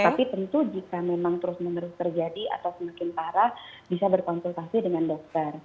tapi tentu jika memang terus menerus terjadi atau semakin parah bisa berkonsultasi dengan dokter